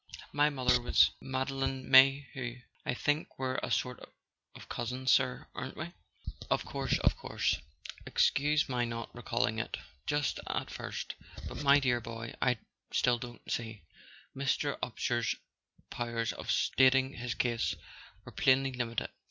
My mother was Made¬ line May hew. I think we're a sort of cousins, sir, aren't we?" 4 Of course—of course. Excuse my not recalling it —just at first. But, my dear boy, I still don't see " Mr. Upsher's powers of stating his case were plainly limited.